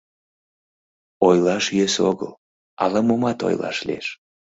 Ойлаш йӧсӧ огыл, ала-момат ойлаш лиеш.